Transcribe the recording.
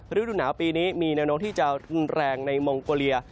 ฤดูหนาวปีนี้มีแนวโน้มที่จะรุนแรงในมองโกเลีย